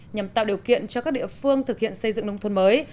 nhằm tạo điều kiện cho các địa phương thực hiện xây dựng nông thôn mới